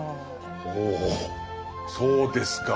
ほうそうですか。